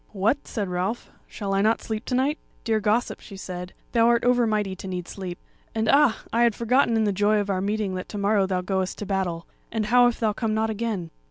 "What!" said Ralph; "shall I not sleep to night?" "Dear gossip," she said, "thou art over mighty to need sleep. And ah! I had forgotten in the joy of our meeting that to morrow thou goest to battle; and how if thou come not again?"